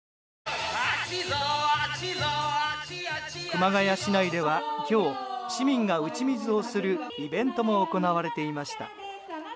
熊谷市内では今日市民が打ち水をするイベントも行われていました。